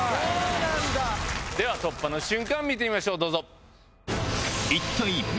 では突破の瞬間見てみましょうどうぞ。